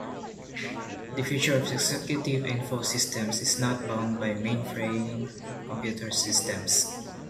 The future of executive info systems is not bound by mainframe computer systems.